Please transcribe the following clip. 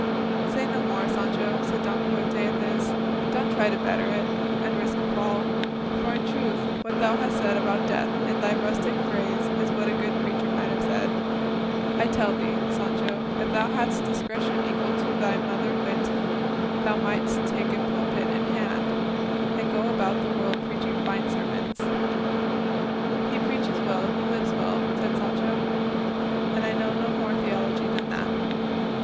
"Say no more, Sancho," said Don Quixote at this; "don't try to better it, and risk a fall; for in truth what thou hast said about death in thy rustic phrase is what a good preacher might have said. I tell thee, Sancho, if thou hadst discretion equal to thy mother wit, thou mightst take a pulpit in hand, and go about the world preaching fine sermons." "He preaches well who lives well," said Sancho, "and I know no more theology than that."